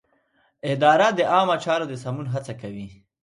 اداره د عامه چارو د سمون هڅه کوي.